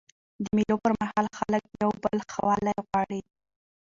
د مېلو پر مهال خلک د یو بل ښه والی غواړي.